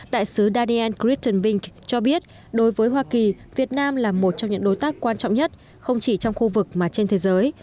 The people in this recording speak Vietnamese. đại sứ dadiel critton bink cho biết đối với hoa kỳ việt nam là một trong những đối tác quan trọng nhất không chỉ trong khu vực mà trên thế giới